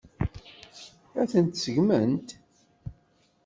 Ad tent-seggment?